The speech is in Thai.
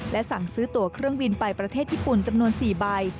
และสั่งซื้อตัวเครื่องบินไปประเทศญี่ปุ่นจำนวน๔ใบ